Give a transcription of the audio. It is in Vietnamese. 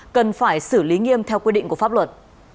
cần phải xử lý nghiêm theo quy định của pháp luật